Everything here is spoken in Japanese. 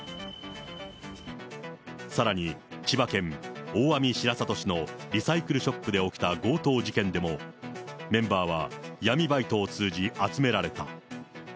さらに千葉県大網白里市のリサイクルショップで起きた強盗事件でも、メンバーは闇バイトを通じ、集められた。